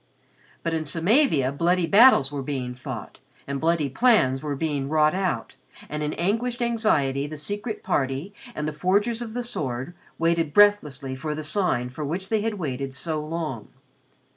But in Samavia bloody battles were being fought, and bloody plans were being wrought out, and in anguished anxiety the Secret Party and the Forgers of the Sword waited breathlessly for the Sign for which they had waited so long.